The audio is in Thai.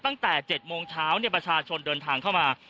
ตั้งแต่เจ็ดโมงเช้าเนี่ยประชาชนเดินทางเข้ามา